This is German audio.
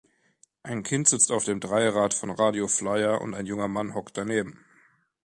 Ein Kind sitzt auf einem Dreirad von Radio Flyre und ein junger Mann hockt daneben.